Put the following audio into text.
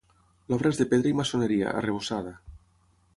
L'obra és de pedra i maçoneria, arrebossada.